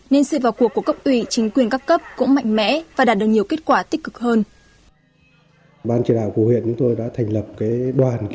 nên sự vào cuộc của cấp ủy chính quyền các cấp cũng mạnh mẽ và đạt được nhiều kết quả tích cực hơn